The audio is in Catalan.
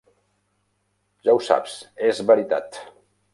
Ja ho saps, és veritat!